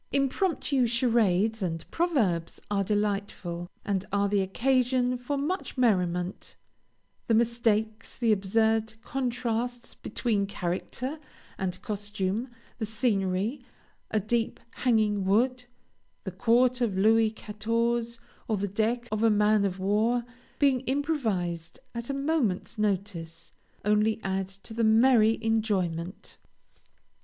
Impromptu charades and proverbs are delightful, and are the occasion for much merriment; the mistakes, the absurd contrasts between character and costume, the scenery a deep, hanging wood, the court of Louis Quatorze or the deck of a man of war, being improvised at a moment's notice, only add to the merry enjoyment.